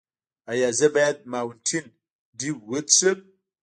ایا زه باید ماونټین ډیو وڅښم؟